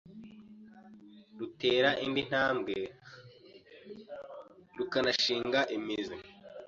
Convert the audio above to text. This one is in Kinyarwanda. rutera indi ntambwe rukanashinga imizi